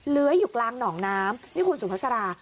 เลื้อยอยู่กลางหนองน้ำนี่คุณสุภาษารา